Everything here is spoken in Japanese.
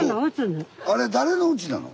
あれ誰のうちなの？